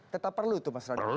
tetap perlu itu pak radha